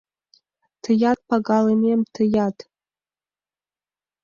— Тыят, пагалымем, тыят.